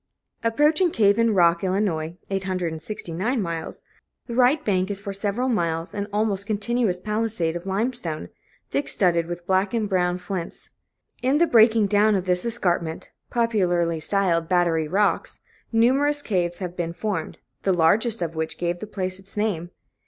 Approaching Cave in Rock, Ill. (869 miles), the right bank is for several miles an almost continuous palisade of lime stone, thick studded with black and brown flints. In the breaking down of this escarpment, popularly styled Battery Rocks, numerous caves have been formed, the largest of which gave the place its name.